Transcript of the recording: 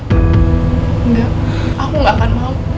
enggak aku gak akan mau